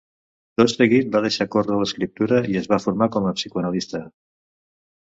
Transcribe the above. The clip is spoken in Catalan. Tot seguit va deixar córrer l'escriptura i es va formar com a psicoanalista.